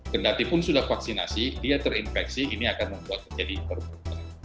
kendaki pun sudah vaksinasi dia terinfeksi ini akan membuat menjadi perburukan